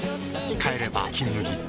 帰れば「金麦」